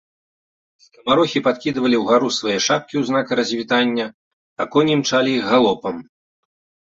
Скамарохі падкідвалі ўгару свае шапкі ў знак развітання, а коні імчалі іх галопам.